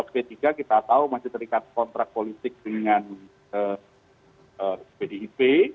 p tiga kita tahu masih terikat kontrak politik dengan pdip